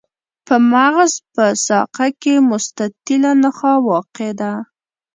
په مغز په ساقه کې مستطیله نخاع واقع ده.